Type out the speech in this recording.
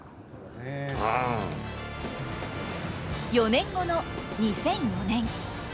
４年後の２００４年。